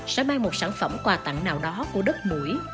sẽ mang một sản phẩm quà tặng nào đó của đất mũi